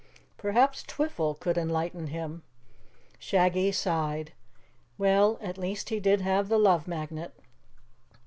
Perhaps Twiffle could enlighten him. Shaggy sighed. Well, at least he did have the Love Magnet.